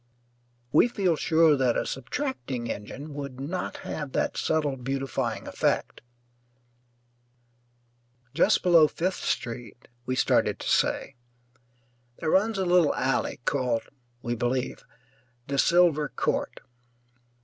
We feel sure that a subtracting engine would not have that subtle beautifying effect just below Fifth Street, we started to say, there runs a little alley called (we believe) De Silver Court.